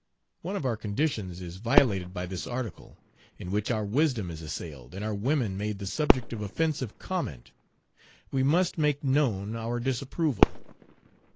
One of our conditions is violated by this article, in which our wisdom is assailed, and our women made the subject of offensive comment. We must make known our disapproval."